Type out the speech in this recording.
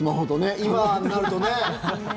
今になるとね。